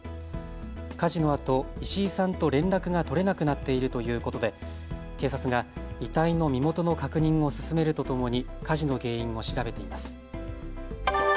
火事のあと石井さんと連絡が取れなくなっているということで警察が遺体の身元の確認を進めるとともに火事の原因を調べています。